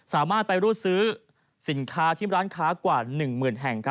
สามารถไปรูดซื้อสินค้าที่ร้านค้ากว่า๑หมื่นแห่ง